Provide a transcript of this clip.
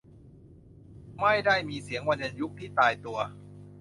ไม่ได้มีเสียงวรรณยุกต์ที่ตายตัว